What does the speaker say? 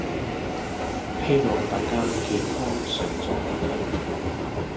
希望大家健康常在